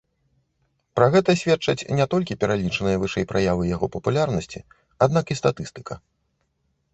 Пра гэта сведчаць не толькі пералічаныя вышэй праявы яго папулярнасці, аднак і статыстыка.